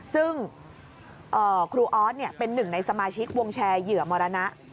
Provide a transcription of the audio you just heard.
ซึ่งครูออสเป็นหนึ่งในสมาชิกวงแชร์เหยื่อมรณะ